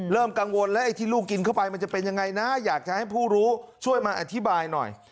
กังวลแล้วไอ้ที่ลูกกินเข้าไปมันจะเป็นยังไงนะอยากจะให้ผู้รู้ช่วยมาอธิบายหน่อย